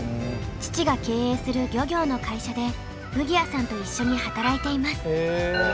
父が経営する漁業の会社でウギアさんと一緒に働いています。